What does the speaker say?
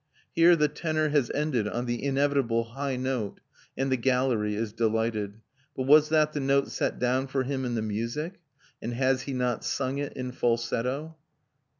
Here the tenor has ended on the inevitable high note, and the gallery is delighted. But was that the note set down for him in the music? And has he not sung it in falsetto?